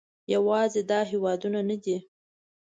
یوازې دا هېوادونه نه دي